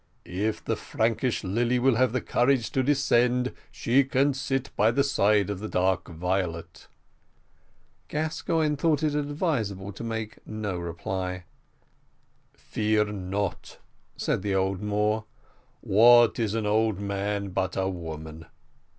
"If the Frankish lily will have courage to descend, she can sit by the side of the dark violet." Gascoigne thought it advisable to make no reply. "Fear not," said the old Moor; "what is an old man but a woman?"